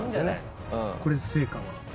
これ成果は？